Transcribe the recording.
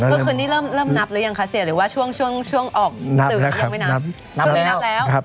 ก็คืนนี้เริ่มนับหรือยังคะเสียหรือว่าช่วงออกสื่อยังไม่นาน